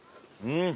うん！